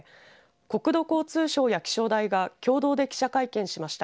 国土交通省や気象台が共同で記者会見しました。